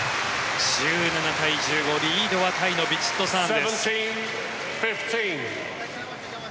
１７対１５リードはヴィチットサーン。